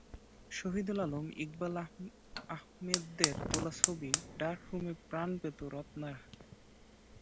শহিদুল আলম, ইকবাল আহমেদদের তোলা ছবি ডার্করুমে প্রাণ পেত রত্নার হাতে।